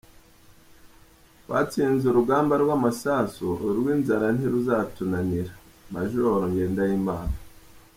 Twatsinze urugamba rw’amasasu urw’inzara ntiruzatunanira Majoro Ngendahimana